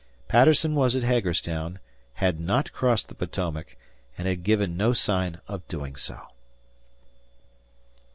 Patterson was at Hagerstown, had not crossed the Potomac, and had given no sign of doing so.